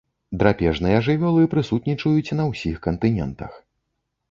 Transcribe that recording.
Драпежныя жывёлы прысутнічаюць на ўсіх кантынентах.